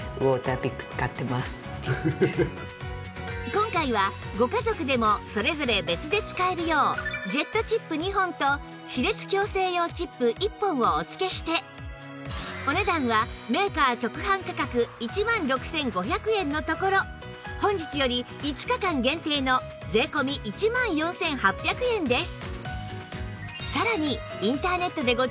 今回はご家族でもそれぞれ別で使えるようジェットチップ２本と歯列矯正用チップ１本をお付けしてお値段はメーカー直販価格１万６５００円のところ本日より５日間限定の税込１万４８００円です